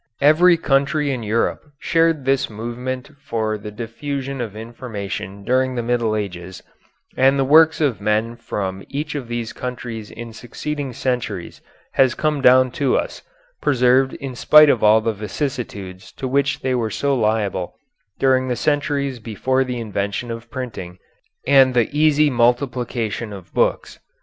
Every country in Europe shared this movement for the diffusion of information during the early Middle Ages, and the works of men from each of these countries in succeeding centuries has come down to us, preserved in spite of all the vicissitudes to which they were so liable during the centuries before the invention of printing and the easy multiplication of books.